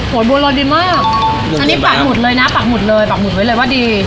บัวโลดีมากอันนี้ปักหมุดเลยนะปักหมุดเลยปักหมุดไว้เลยว่าดี